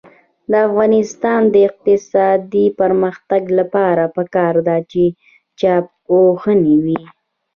د افغانستان د اقتصادي پرمختګ لپاره پکار ده چې چاپخونې وي.